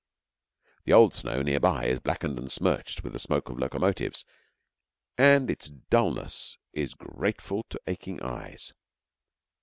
The old snow near by is blackened and smirched with the smoke of locomotives, and its dulness is grateful to aching eyes.